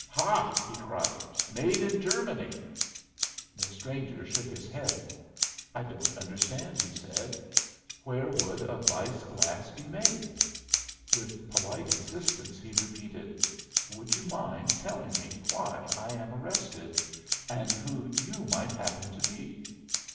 "Hah!" he cried, "made in Germany!" The stranger shook his head. "I don't understand," he said. "Where would a Weiss glass be made?" With polite insistence he repeated, "Would you mind telling me why I am arrested, and who you might happen to be?"